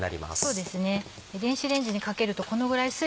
そうですね。